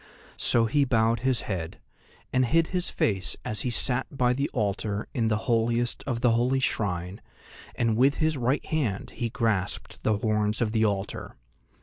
So he bowed his head, and hid his face as he sat by the altar in the holiest of the holy shrine, and with his right hand he grasped the horns of the altar.